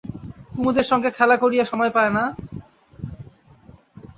কুমুদের সঙ্গে খেলা করিয়া সময় পায় না?